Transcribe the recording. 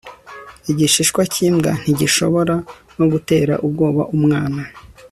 Igishishwa cyimbwa ntigishobora no gutera ubwoba umwana